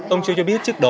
ông châu cho biết trước đó